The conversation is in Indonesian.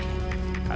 ini kagak bener